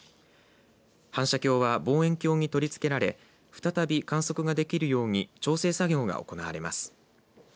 反射鏡は望遠鏡に取り付けられ再び観測ができるように調整作業が行われます。